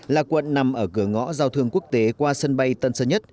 là quận nằm ở cửa ngõ giao thương quốc tế qua sân bay tân sơn nhất